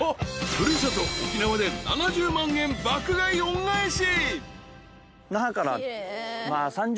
［古里沖縄で７０万円爆買い恩返し］